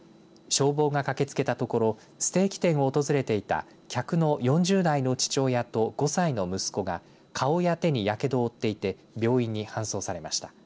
消防が駆けつけたところステーキ店を訪れていた客の４０代の父親と５歳の息子が顔や手にやけどを負っていて病院に搬送されました。